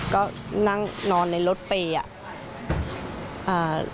ก็นั่งนอนในรถเปย์อ่ะ